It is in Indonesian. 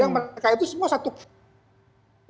mereka itu semua satu kluster